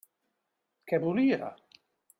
Què volia?